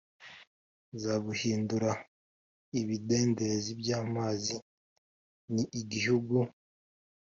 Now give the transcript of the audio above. Nzabuhindura ibidendezi by amazi n igihugu